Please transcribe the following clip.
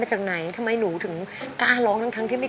คุณยายแดงคะทำไมต้องซื้อลำโพงและเครื่องเสียง